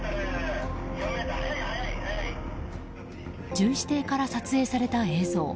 巡視艇から撮影された映像。